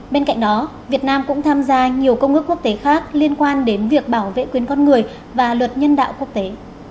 bên cạnh đó việt nam cũng tham gia nhiều công ước quốc tế khác liên quan đến việc bảo vệ quyền con người và luật nhân đạo quốc tế